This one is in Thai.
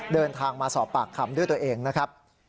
เดินทางมาสอบปากคำด้วยตัวเองนะครับ